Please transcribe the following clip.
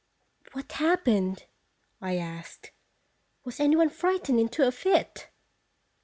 "What happened?" I asked. "Was any one frightened into a fit?"